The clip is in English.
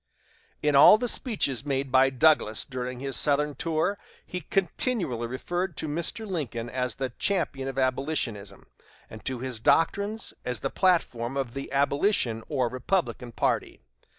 In all the speeches made by Douglas during his Southern tour, he continually referred to Mr. Lincoln as the champion of abolitionism, and to his doctrines as the platform of the abolition or Republican party.